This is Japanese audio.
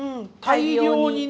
大量に。